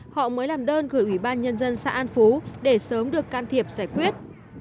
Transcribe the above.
họ mới làm đơn gửi ủy ban nhân dân xã an phú để sớm được can thiệp giải quyết